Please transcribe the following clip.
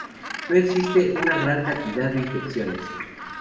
No solo existe una gran cantidad de infecciones.